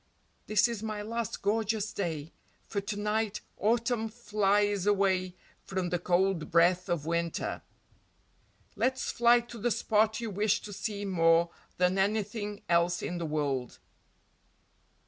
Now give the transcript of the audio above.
This is my last gorgeous day, for to night Autumn flies away from the cold breath of Winter. Let's fly to the spot you wish to see more than anything else in the world."